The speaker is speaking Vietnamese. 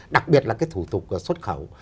đặc biệt là cái thủ tục xuất khẩu